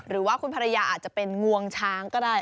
หรือว่าคุณภรรยาอาจจะเป็นงวงช้างก็ได้